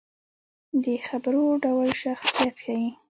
د خبرو ډول شخصیت ښيي